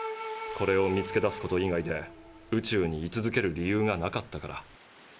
これを見つけ出すこと以外で宇宙にい続ける理由がなかったから。